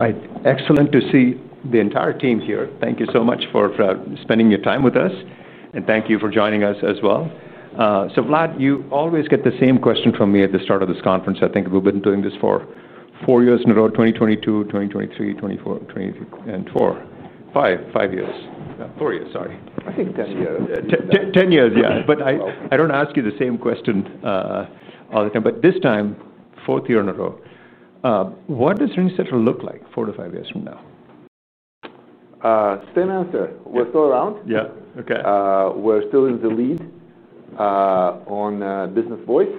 Right. Excellent to see the entire team here. Thank you so much for spending your time with us. Thank you for joining us as well. Vlad, you always get the same question from me at the start of this conference. I think we've been doing this for four years in a row: 2022, 2023, 2024, five, five years. Four years, sorry. I think that's a year. Ten years, yeah. I don't ask you the same question all the time, but this time, fourth year in a row. What does RingCentral look like four to five years from now? Same answer. We're still around. Yeah, OK. We're still in the lead on business voice.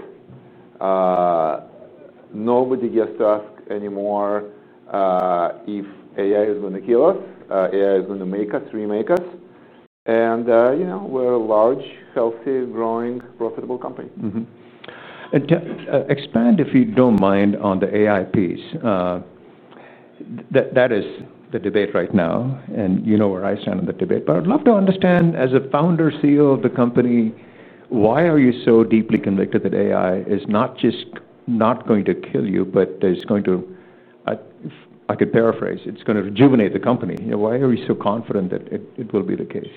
Nobody gets to ask anymore if AI is going to kill us, AI is going to make us, remake us. You know, we're a large, healthy, growing, profitable company. you expand, if you don't mind, on the AI piece? That is the debate right now. You know where I stand on the debate. I'd love to understand, as a Founder and CEO of the company, why are you so deeply convicted that AI is not just not going to kill you, but is going to, if I could paraphrase, rejuvenate the company. Why are you so confident that it will be the case?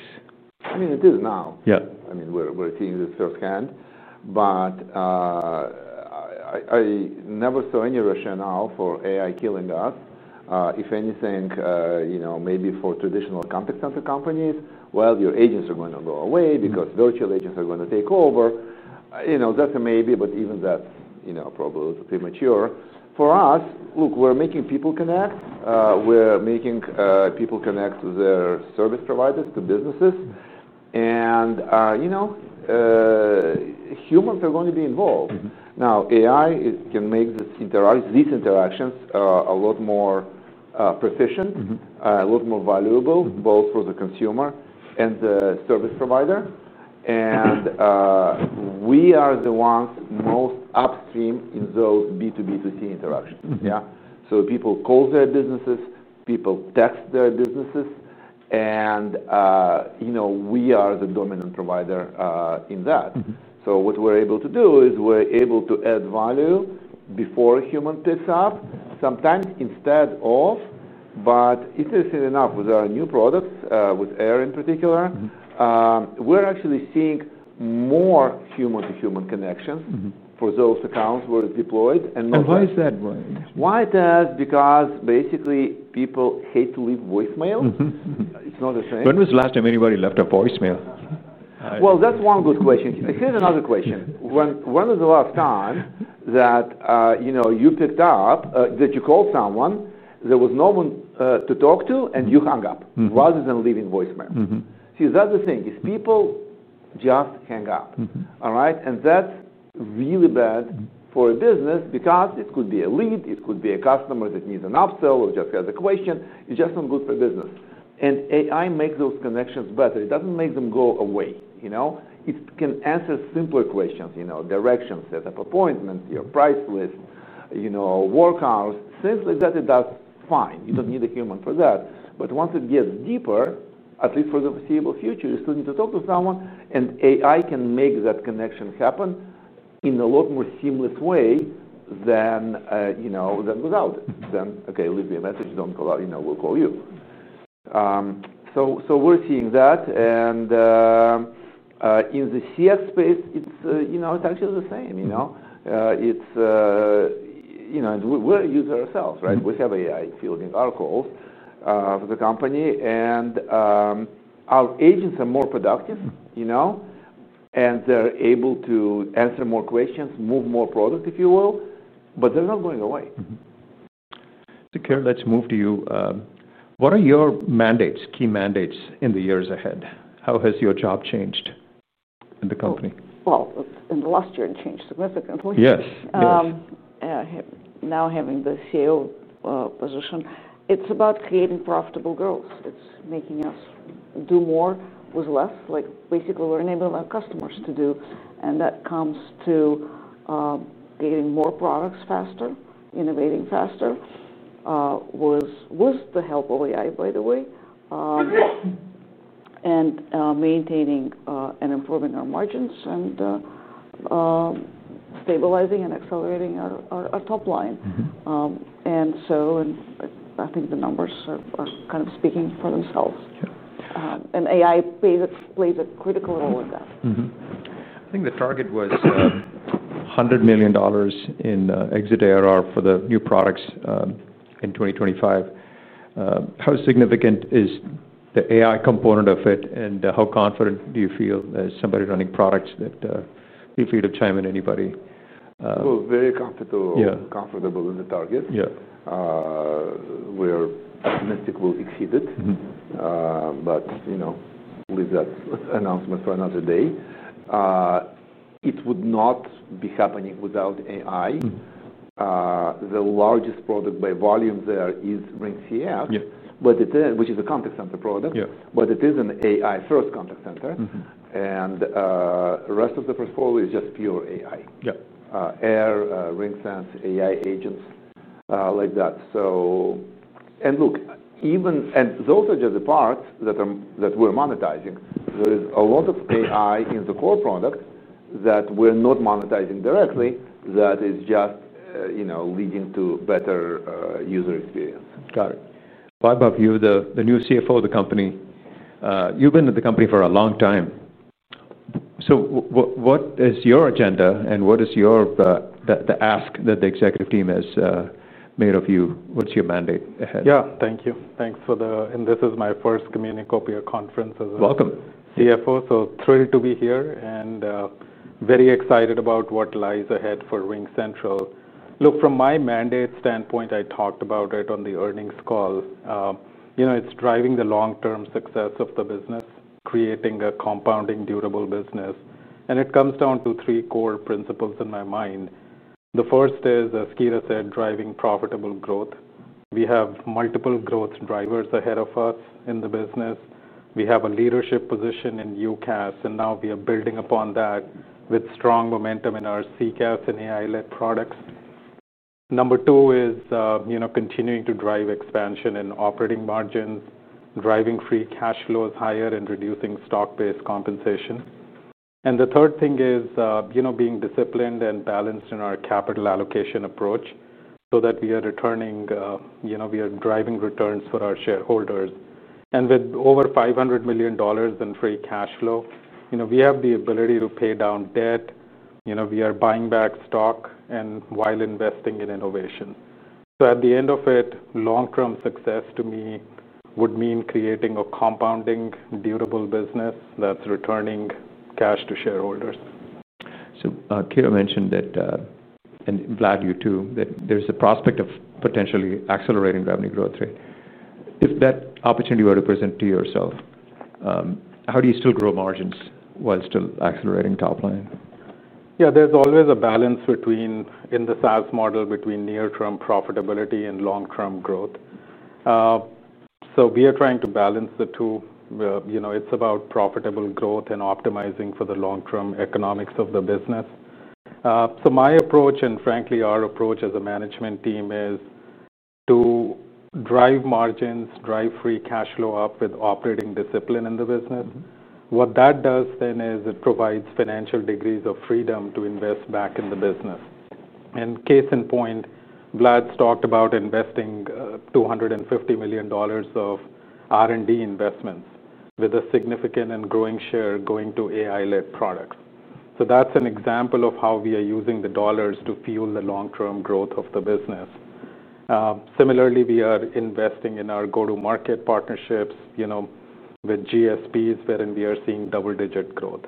I mean, it is now. Yeah. I mean, we're seeing this firsthand. I never saw any rationale for AI killing us. If anything, maybe for traditional contact center companies, your agents are going to go away because virtual agents are going to take over. That's a maybe. Even that's probably a little premature. For us, look, we're making people connect. We're making people connect to their service providers, to businesses. Humans are going to be involved. AI can make these interactions a lot more proficient, a lot more valuable, both for the consumer and the service provider. We are the ones most upstream in those B2B2C interactions. People call their businesses, people text their businesses, and we are the dominant provider in that. What we're able to do is we're able to add value before a human picks up, sometimes instead of. Interestingly enough, with our new products, with RingCentral AIR in particular, we're actually seeing more human-to-human connections for those accounts where it's deployed. Why is that, Vlad? Why is it? Because basically, people hate to leave voicemails. It's not a thing. When was the last time anybody left a voicemail? That's one good question. Here's another question. When was the last time that you, you know, you picked up, that you called someone, there was no one to talk to, and you hung up rather than leaving voicemails? See, that's the thing, people just hang up. All right. That's really bad for a business because it could be a lead, it could be a customer that needs an upsell or just has a question. It's just not good for a business. AI makes those connections better. It doesn't make them go away. It can answer simpler questions, you know, directions, set up appointments, your price list, work hours, things like that it does fine. You don't need a human for that. Once it gets deeper, at least for the foreseeable future, you still need to talk to someone. AI can make that connection happen in a lot more seamless way than without it. OK, leave me a message, don't call, you know, we'll call you. We're seeing that. In the CX space, it's actually the same. We're a user ourselves, right? We have AI fielding our calls for the company. Our agents are more productive, you know. They're able to answer more questions, move more product, if you will. They're not going away. Kira, let's move to you. What are your mandates, key mandates in the years ahead? How has your job changed at the company? In the last year, it changed significantly. Yes. Now, having the CEO position, it's about creating profitable growth. It's making us do more with less, like basically we're enabling our customers to do. That comes to creating more products faster, innovating faster with the help of AI, by the way, and maintaining and improving our margins and stabilizing and accelerating our top line. I think the numbers are kind of speaking for themselves. Sure. AI plays a critical role in that. I think the target was $100 million in exit ARR for the new products in 2025. How significant is the AI component of it? How confident do you feel as somebody running products that you feel it's challenging anybody? We're very comfortable with the target. We're optimistic we'll exceed it. You know, leave that announcement for another day. It would not be happening without AI. The largest product by volume there is RingCentral Contact Center, which is a contact center product. It is an AI-first contact center, and the rest of the portfolio is just pure AI. Yeah. AIR, RingCentral, AI agents, like that. Even those are just the parts that we're monetizing. There is a lot of AI in the core product that we're not monetizing directly, that is just, you know, leading to better user experience. Got it. Vaibhav, you're the new Chief Financial Officer of the company. You've been at the company for a long time. What is your agenda? What is the ask that the executive team has made of you? What's your mandate ahead? Yeah, thank you. Thanks for the, and this is my first Communicopia Conference. Welcome. CFO, so thrilled to be here and very excited about what lies ahead for RingCentral. Look, from my mandate standpoint, I talked about it on the earnings call. It's driving the long-term success of the business, creating a compounding durable business. It comes down to three core principles in my mind. The first is, as Kira said, driving profitable growth. We have multiple growth drivers ahead of us in the business. We have a leadership position in UCaaS, and now we are building upon that with strong momentum in our CCaaS and AI-led products. Number two is continuing to drive expansion in operating margins, driving free cash flows higher, and reducing stock-based compensation. The third thing is being disciplined and balanced in our capital allocation approach so that we are driving returns for our shareholders. With over $500 million in free cash flow, we have the ability to pay down debt. We are buying back stock and while investing in innovation. At the end of it, long-term success to me would mean creating a compounding durable business that's returning cash to shareholders. Kira mentioned that, and Vlad, you too, that there's a prospect of potentially accelerating revenue growth rate. If that opportunity were to present to yourself, how do you still grow margins while still accelerating top line? Yeah, there's always a balance in the SaaS model between near-term profitability and long-term growth. We are trying to balance the two. It's about profitable growth and optimizing for the long-term economics of the business. My approach, and frankly, our approach as a management team, is to drive margins and drive free cash flow up with operating discipline in the business. What that does is it provides financial degrees of freedom to invest back in the business. For example, Vlad's talked about investing $250 million of R&D investments with a significant and growing share going to AI-led products. That's an example of how we are using the dollars to fuel the long-term growth of the business. Similarly, we are investing in our go-to-market partnerships with GSPs, wherein we are seeing double-digit growth.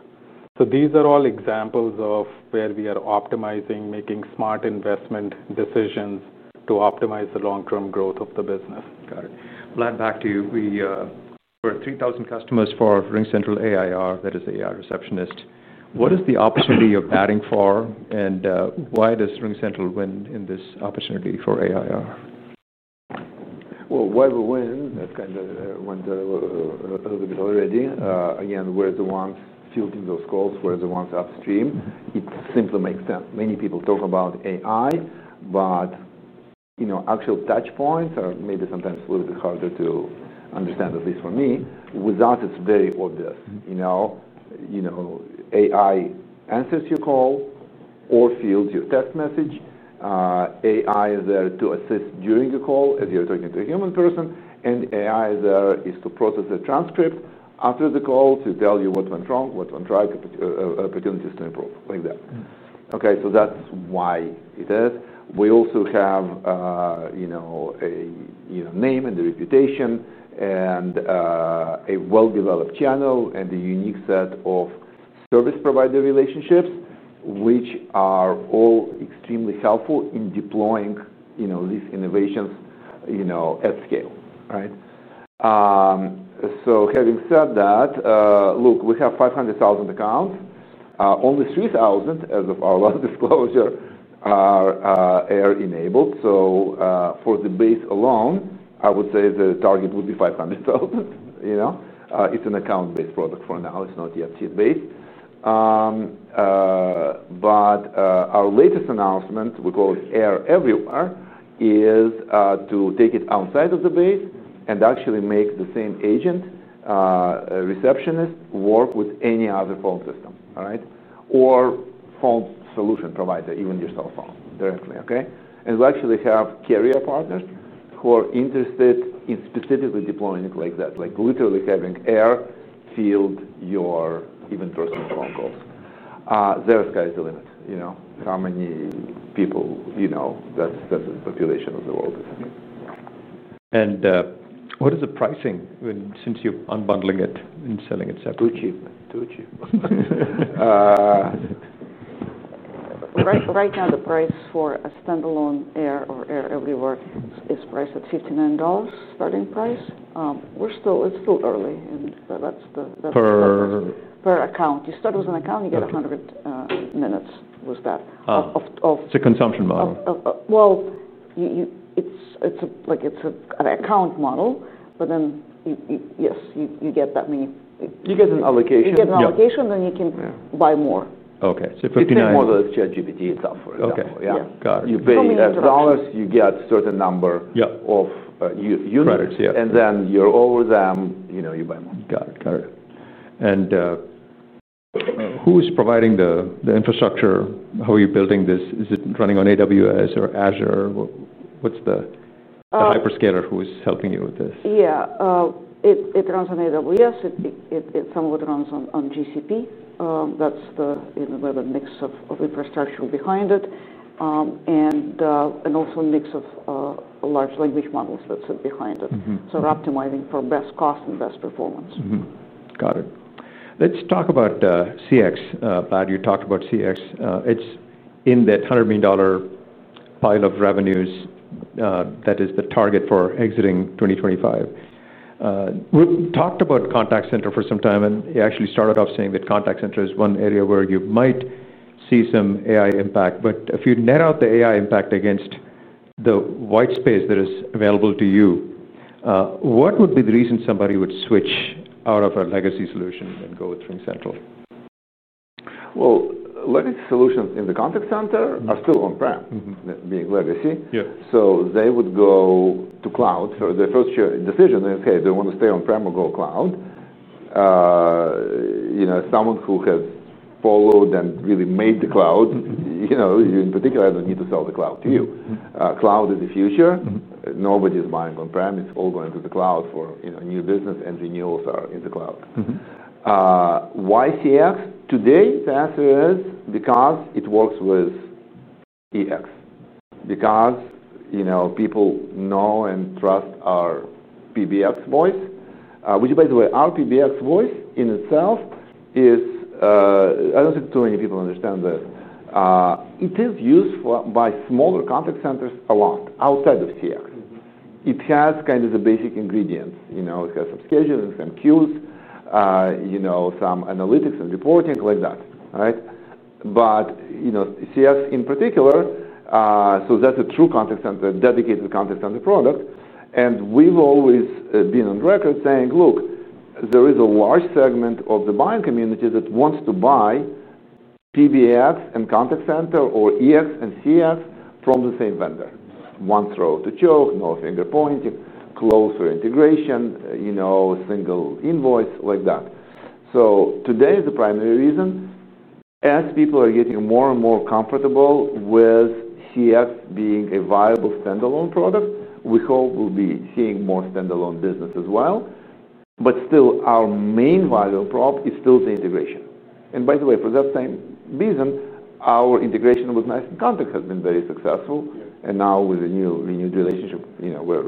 These are all examples of where we are optimizing, making smart investment decisions to optimize the long-term growth of the business. Got it. Vlad, back to you. We're 3,000 customers for RingCentral AIR, that is AI receptionist. What is the opportunity you're batting for? Why does RingCentral win in this opportunity for AIR? Why we win, that kind of went a little bit already. Again, we're the ones fielding those calls. We're the ones upstream. It simply makes sense. Many people talk about AI. You know, actual touchpoints are maybe sometimes a little bit harder to understand, at least for me. Without, it's very obvious. You know, AI answers your call or fields your text message. AI is there to assist during a call as you're talking to a human person. AI is there to process the transcript after the call to tell you what went wrong, what went right, opportunities to improve, like that. OK, that's why it is. We also have, you know, a name and a reputation and a well-developed channel and a unique set of service provider relationships, which are all extremely helpful in deploying these innovations at scale. Right. Having said that, look, we have 500,000 accounts. Only 3,000, as of our last disclosure, are AIR enabled. For the base alone, I would say the target would be 500,000. You know, it's an account-based product for now. It's not yet seat-based. Our latest announcement, we call it AIR Everywhere, is to take it outside of the base and actually make the same agent, a receptionist, work with any other phone system, all right, or phone solution provider, even your cell phone directly, OK? We actually have carrier partners who are interested in specifically deploying it like that, like literally having AIR field your even personal phone calls. The sky's the limit, you know, how many people, you know, that's the population of the world. What is the pricing since you're unbundling it and selling it separately? Too cheap. Right now, the price for a standalone RingCentral AIR or AIR Everywhere is priced at $59 starting price. It's still early. That's per account. You start with an account, you get 100 minutes with that. It's a consumption model. It's like an account model. Yes, you get that many. You get an allocation. You get an allocation, then you can buy more. OK, so $59. The same model as ChatGPT itself, for example. OK, got it. You pay $800, you get a certain number of units. You're over them, you know, you win. Got it. Who is providing the infrastructure? How are you building this? Is it running on AWS or Azure? What's the hyperscaler who is helping you with this? Yeah, it runs on AWS. It somewhat runs on GCP. That's the, you know, we have a mix of infrastructure behind it and also a mix of large language models that sit behind it. We're optimizing for best cost and best performance. Got it. Let's talk about CX. Vlad, you talked about CX. It's in that $100 million pile of revenues that is the target for exiting 2025. We've talked about contact center for some time. You actually started off saying that contact center is one area where you might see some AI impact. If you net out the AI impact against the white space that is available to you, what would be the reason somebody would switch out of a legacy solution and go with RingCentral? Legacy solutions in the contact center are still on-prem, being legacy. They would go to cloud. The first decision is, hey, do you want to stay on-prem or go cloud? As someone who has followed and really made the cloud, in particular, I don't need to sell the cloud to you. Cloud is the future. Nobody is buying on-prem. It's all going to the cloud for new business, and renewals are in the cloud. Why CX today? The answer is because it works with EX. People know and trust our PBX voice, which, by the way, our PBX voice in itself is, I don't think too many people understand this. It is used by smaller contact centers a lot outside of CX. It has kind of the basic ingredients. It has some scheduling, some queues, some analytics and reporting like that, right? CX in particular, that's a true contact center, dedicated contact center product. We've always been on record saying, look, there is a large segment of the buying community that wants to buy PBX and contact center or EX and CX from the same vendor. One throw to choke, no finger pointing, closer integration, single invoice, like that. Today is the primary reason. As people are getting more and more comfortable with CX being a viable standalone product, we hope we'll be seeing more standalone business as well. Still, our main value prop is still the integration. By the way, for that same reason, our integration with NICE Contact has been very successful. Now with the new renewed relationship, we're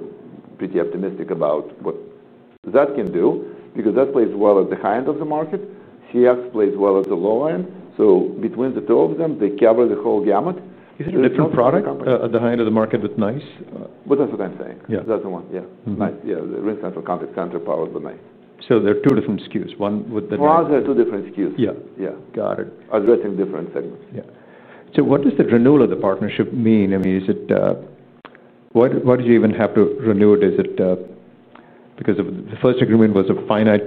pretty optimistic about what that can do because that plays well at the high end of the market. CX plays well at the low end. Between the two of them, they cover the whole gamut. Is it a different product at the high end of the market with NICE? That's what I'm saying. Yeah. That's the one, yeah. NICE, yeah. The RingCentral Contact Center powered by NICE. They're two different SKUs, one with the. Oh, there are two different SKUs. Yeah, got it. Addressing different segments. Yeah. What does the renewal of the partnership mean? I mean, is it, why did you even have to renew it? Is it because the first agreement was a finite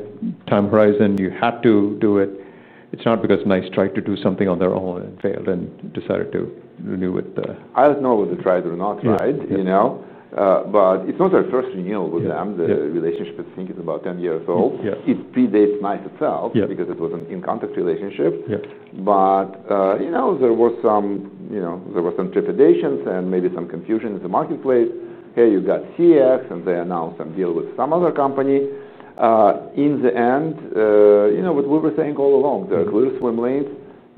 time horizon? You had to do it. It's not because NICE tried to do something on their own and failed and decided to renew with the. I don't know whether they tried or not tried, you know, but it's not our first renewal with them. The relationship, I think, is about 10 years old. It predates NICE itself because it was an inContact relationship. Yeah. There were some trepidations and maybe some confusion in the marketplace. Hey, you got CX, and they announced some deal with some other company. In the end, what we were saying all along, there are clear swim lanes.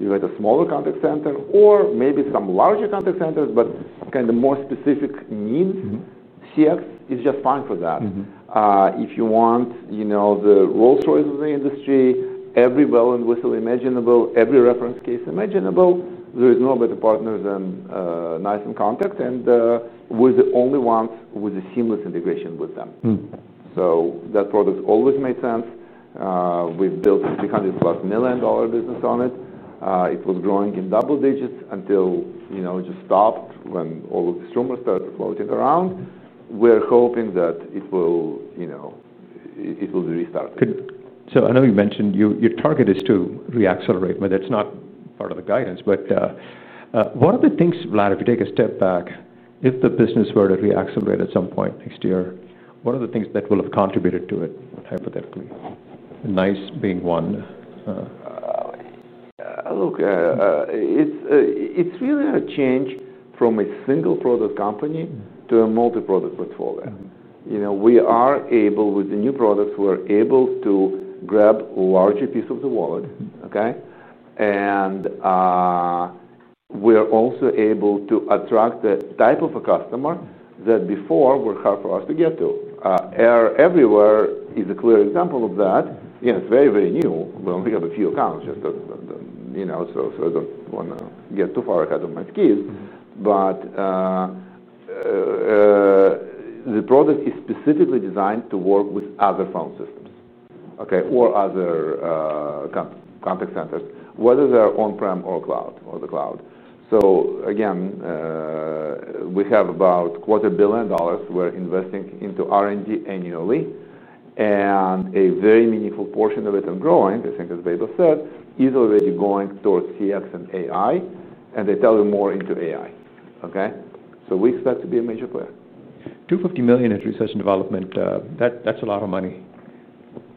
You had a smaller contact center or maybe some larger contact centers, but kind of more specific needs. CX is just fine for that. If you want the Rolls Royce of the industry, every bell and whistle imaginable, every reference case imaginable, there is no better partner than NICE and Contact. We're the only ones with a seamless integration with them. That product always made sense. We built a $300 million business on it. It was growing in double digits until it just stopped when all of the streamers started floating around. We're hoping that it will be restarted. I know you mentioned your target is to reaccelerate, but that's not part of the guidance. What are the things, Vlad, if you take a step back, if the business were to reaccelerate at some point next year, what are the things that will have contributed to it hypothetically? NICE being one. Look, it's really a change from a single product company to a multi-product portfolio. You know, we are able, with the new products, we're able to grab a larger piece of the wallet, OK? We're also able to attract the type of a customer that before were hard for us to get to. RingCentral AIR Everywhere is a clear example of that. It's very, very new. We only have a few accounts, so I don't want to get too far ahead of my skis. The product is specifically designed to work with other phone systems, OK, or other contact centers, whether they're on-prem or cloud. We have about $0.25 billion we're investing into R&D annually, and a very meaningful portion of it, and growing, I think as Vaibhav said, is already going towards CX and AI. They're delving more into AI, OK? We expect to be a major player. $250 million in research and development. That's a lot of money.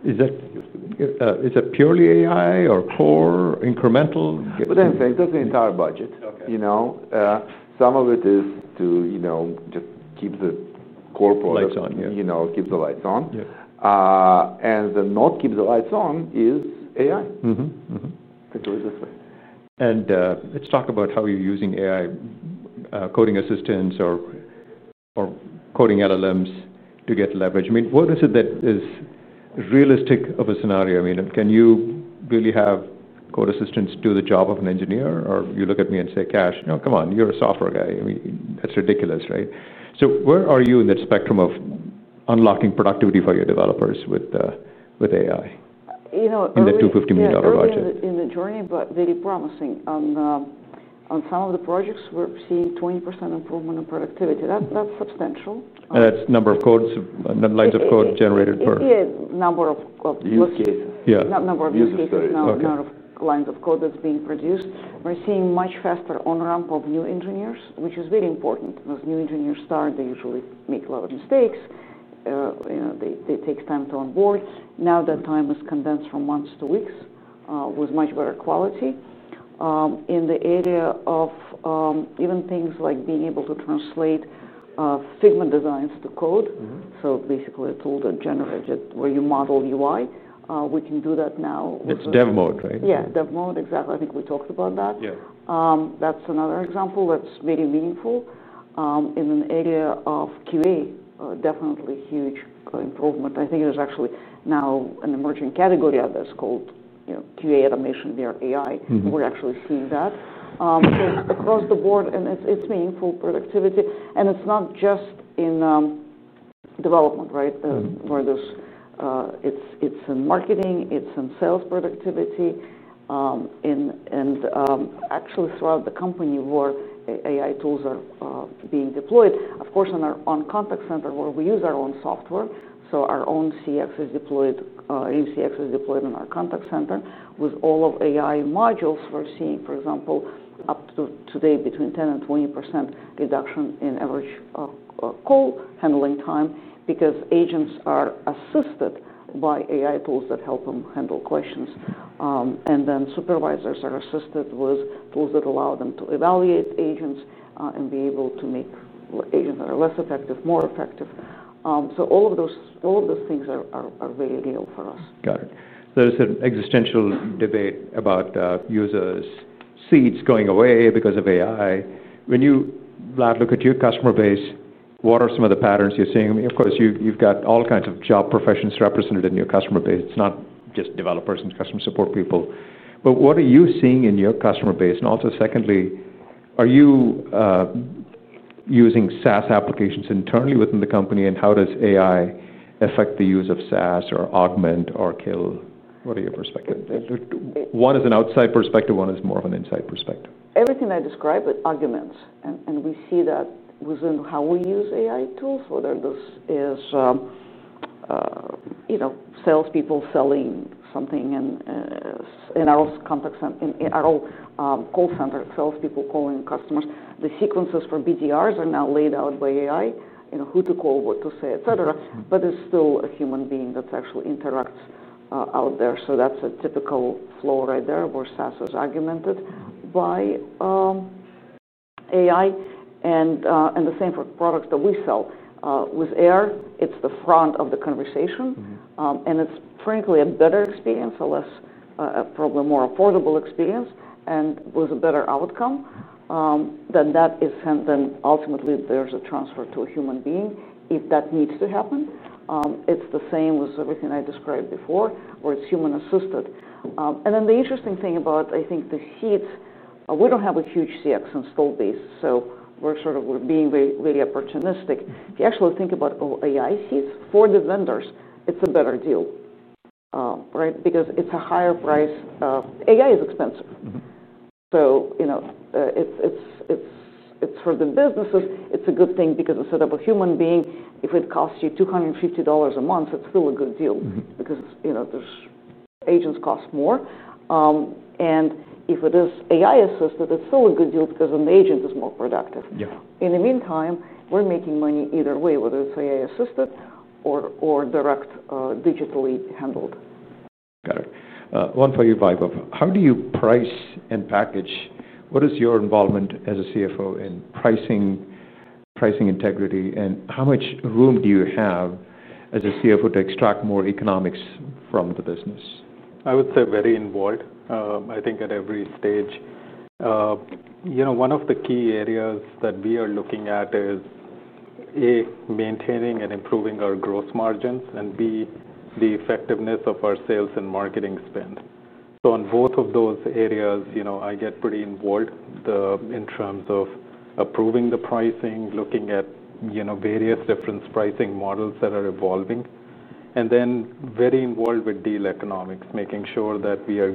Is that purely AI or core incremental? That's the entire budget. Some of it is to just keep the core product. Lights on, yeah. You know, keep the lights on. Yeah. The not keep the lights on is AI. You can do it this way. Let's talk about how you're using AI coding assistants or coding LLMs to get leverage. What is it that is realistic of a scenario? Can you really have code assistants do the job of an engineer? Or you look at me and say, Kash, you know, come on, you're a software guy. That's ridiculous, right? Where are you in that spectrum of unlocking productivity for your developers with AI? You know. In that $250 million budget. In the journey, very promising. On some of the projects, we're seeing 20% improvement in productivity. That's substantial. That's number of codes, not lines of code generated per. Yeah, number of use cases. Yeah. Not number of use cases, number of lines of code that's being produced. We're seeing much faster on-ramp of new engineers, which is very important because new engineers start, they usually make a lot of mistakes. They take time to onboard. Now that time is condensed from months to weeks with much better quality. In the area of even things like being able to translate Figma designs to code, so basically a tool that generated where you model UI, we can do that now. That's Dev Mode, right? Yeah, Dev Mode, exactly. I think we talked about that. Yeah. That's another example that's very meaningful. In an area of QA, definitely huge improvement. I think there's actually now an emerging category that's called QA automation near AI. We're actually seeing that. Across the board, it's meaningful productivity. It's not just in development, right? It's in marketing, it's in sales productivity, and actually, throughout the company where AI tools are being deployed. Of course, in our own contact center where we use our own software, our own CX is deployed, RingCentral Contact Center is deployed in our contact center. With all of the AI modules, we're seeing, for example, up to today, between 10% and 20% reduction in average call handling time because agents are assisted by AI tools that help them handle questions. Supervisors are assisted with tools that allow them to evaluate agents and be able to make agents that are less effective more effective. All of those things are very real for us. Got it. It's an existential debate about users' seats going away because of AI. When you, Vlad, look at your customer base, what are some of the patterns you're seeing? Of course, you've got all kinds of job professions represented in your customer base. It's not just developers and customer support people. What are you seeing in your customer base? Also, are you using SaaS applications internally within the company? How does AI affect the use of SaaS or augment or kill? What are your perspectives? One is an outside perspective. One is more of an inside perspective. Everything I describe, it augments. We see that within how we use AI tools, whether this is, you know, salespeople selling something in our contact center, in our old call center, salespeople calling customers. The sequences for BDRs are now laid out by AI, you know, who to call, what to say, etc. There is still a human being that actually interacts out there. That is a typical flow right there where SaaS is augmented by AI. The same for the products that we sell. With RingCentral AIR, it's the front of the conversation. It's, frankly, a better experience, probably a more affordable experience, and with a better outcome. That is sent, then ultimately, there's a transfer to a human being if that needs to happen. It's the same with everything I described before where it's human-assisted. The interesting thing about, I think, the seats, we don't have a huge CX install base. We're sort of being very opportunistic. If you actually think about all AI seats for the vendors, it's a better deal, right? Because it's a higher price. AI is expensive. For the businesses, it's a good thing because it's set up with a human being. If it costs you $250 a month, it's still a good deal because, you know, agents cost more. If it is AI-assisted, it's still a good deal because an agent is more productive. Yeah. In the meantime, we're making money either way, whether it's AI-assisted or direct digitally handled. Got it. One for you, Vaibhav. How do you price and package? What is your involvement as a CFO in pricing, pricing integrity? How much room do you have as a CFO to extract more economics from the business? I would say very involved, I think, at every stage. One of the key areas that we are looking at is, A, maintaining and improving our gross margins and, B, the effectiveness of our sales and marketing spend. On both of those areas, I get pretty involved in terms of approving the pricing, looking at various different pricing models that are evolving. I am very involved with deal economics, making sure that we are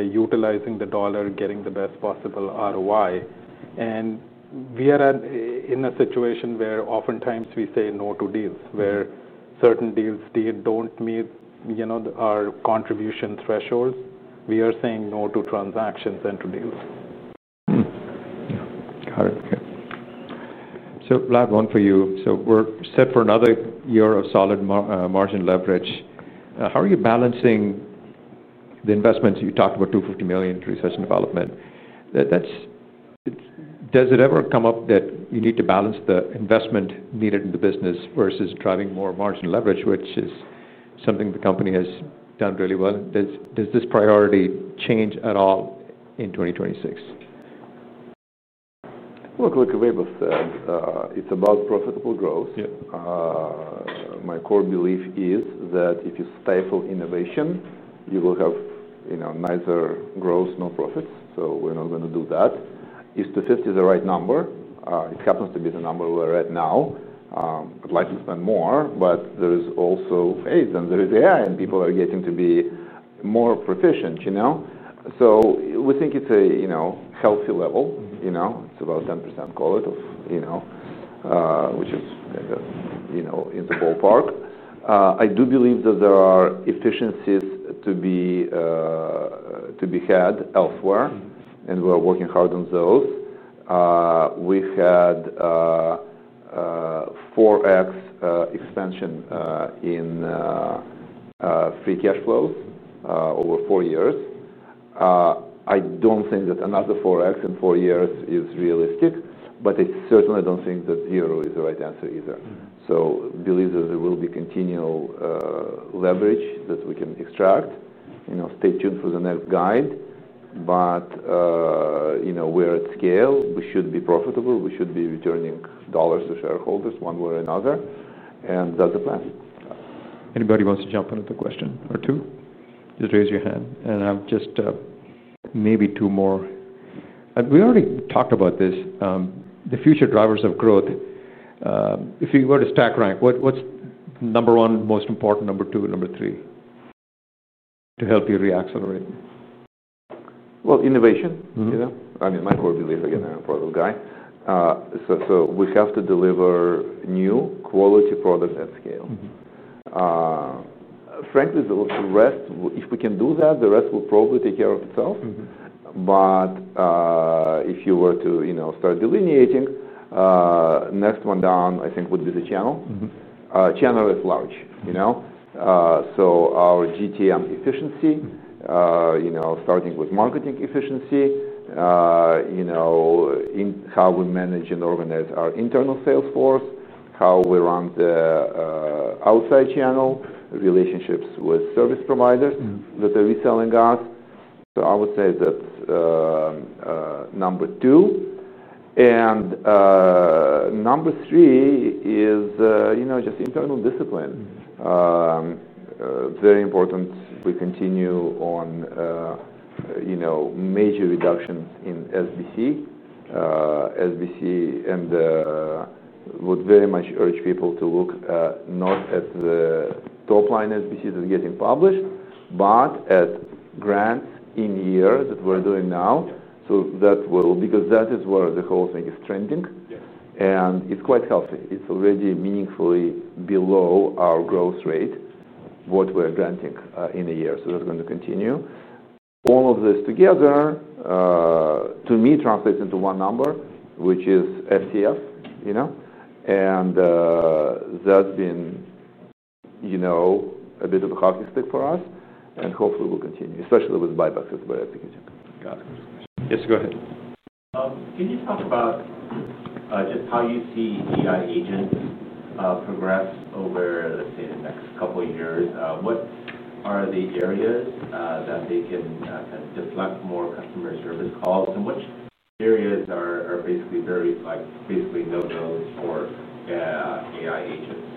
utilizing the dollar, getting the best possible ROI. We are in a situation where oftentimes we say no to deals where certain deals don't meet our contribution thresholds. We are saying no to transactions and to deals. Got it. Vlad, one for you. We're set for another year of solid margin leverage. How are you balancing the investments? You talked about $250 million in research and development. Does it ever come up that you need to balance the investment needed in the business versus driving more margin leverage, which is something the company has done really well? Does this priority change at all in 2026? Like Vaibhav said, it's about profitable growth. My core belief is that if you stifle innovation, you will have neither growth nor profits. We're not going to do that. Is $250 million the right number? It happens to be the number we're at now. We'd like to spend more. There is also AI, and people are getting to be more proficient. We think it's a healthy level. It's about 10%, call it, which is kind of in the ballpark. I do believe that there are efficiencies to be had elsewhere, and we're working hard on those. We had 4X expansion in free cash flow over four years. I don't think that another 4X in four years is realistic. I certainly don't think that zero is the right answer either. I believe that there will be continual leverage that we can extract. Stay tuned for the next guide. We're at scale. We should be profitable. We should be returning dollars to shareholders one way or another, and that's the plan. Anybody wants to jump in with a question or two? Just raise your hand. Maybe two more. We already talked about this. The future drivers of growth, if you were to stack rank, what's number one most important, number two, number three to help you reaccelerate? Innovation, you know. I mean, my core belief, again, I'm a product guy. We have to deliver new quality products at scale. Frankly, if we can do that, the rest will probably take care of itself. If you were to start delineating, next one down, I think, would be the channel. Channel is large, you know. Our go-to-market efficiency, starting with marketing efficiency, in how we manage and organize our internal sales force, how we run the outside channel, relationships with service providers that are reselling us. I would say that's number two. Number three is just internal discipline. Very important. We continue on major reductions in stock-based compensation. Stock-based compensation, and I would very much urge people to look not at the top line stock-based compensation that's getting published, but at grants in a year that we're doing now. That is where the whole thing is trending. It's quite healthy. It's already meaningfully below our growth rate, what we're granting in a year. That's going to continue. All of this together, to me, translates into one number, which is free cash flow. That's been a bit of a hockey stick for us. Hopefully, we'll continue, especially with Vaibhav as well as the company. Got it. Yes, go ahead. Can you talk about just how you see AI agents progress over, let's say, the next couple of years? What are the areas that they can kind of deflect more customer service calls? Which areas are basically very, like, basically no-goes for AI agents?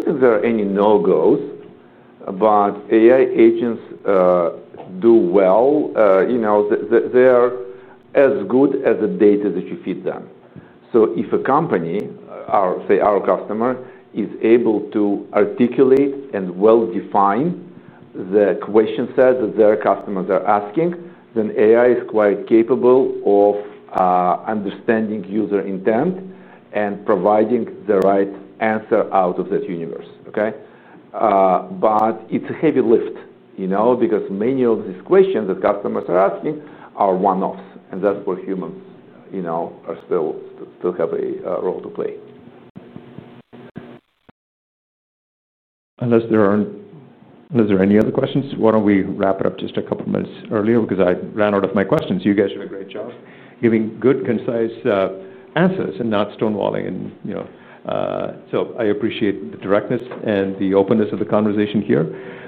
I don't think there are any no-goes. AI agents do well. You know, they're as good as the data that you feed them. If a company, or say our customer, is able to articulate and well define the question set that their customers are asking, then AI is quite capable of understanding user intent and providing the right answer out of that universe, OK? It's a heavy lift, you know, because many of these questions that customers are asking are one-offs. That's where humans, you know, still have a role to play. Unless there are any other questions, why don't we wrap it up just a couple of minutes earlier? I ran out of my questions. You guys did a great job giving good, concise answers and not stonewalling. I appreciate the directness and the openness of the conversation here.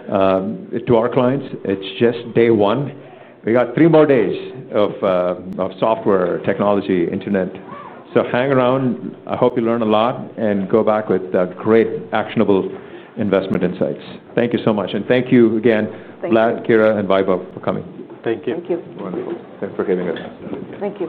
To our clients, it's just day one. We got three more days of software, technology, internet. Hang around. I hope you learn a lot and go back with great, actionable investment insights. Thank you so much. Thank you again, Vlad, Kira, and Vaibhav for coming. Thank you. Thank you. Wonderful. Thanks for having us. Thank you.